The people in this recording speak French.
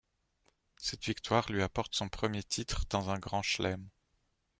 Cette victoire lui apporte son premier titre dans un Grand Chelem.